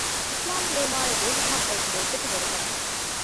އިސްލާމީ ޢިލްމާއި ދިވެހިބަހަށް އޮތް ލޯތްބެއްގެ ބޮޑުކަމުން